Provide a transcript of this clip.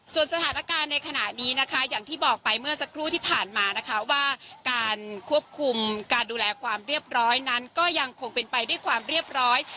ส่วนสถานการณ์ในขณะนี้นะคะอย่างที่บอกไปเมื่อสักครู่ที่ผ่านมานะคะว่าการควบคุมการดูแลความเรียบร้อยนั้นก็ยังคงเป็นไปด้วยความเรียบร้อย